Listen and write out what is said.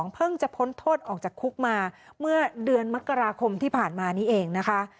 เพิ่งจะพ้นโทษออกจากคุกมาเมื่อเดือนมกราคมที่ผ่านมานี้เองนะคะ